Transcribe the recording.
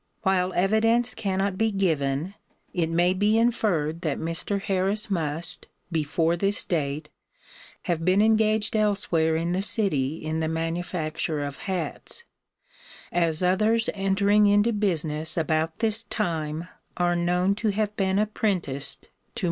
While evidence cannot be given, it may be inferred that Mr. Harris must, before this date, have been engaged elsewhere in the city in the manufacture of hats, as others entering into business about this time are known to have been apprenticed to Mr. Harris.